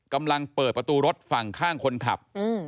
กำลังเปิดประตูรถฝั่งข้างคนขับ